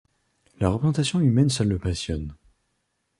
La représentation humaine seule le passionne.